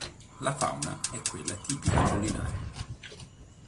La fauna è quella tipica collinare.